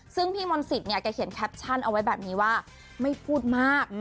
ซึ่งพี่มนต์สิทธิเนี่ยแกเขียนแคปชั่นเอาไว้แบบนี้ว่าไม่พูดมาก